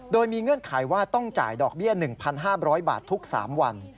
โดยมีเงื่อนไขว่าต้องจ่ายดอกเบี้ย๑๕๐๐บาททุก๓วัน